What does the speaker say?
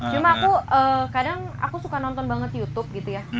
cuma aku kadang aku suka nonton banget youtube gitu ya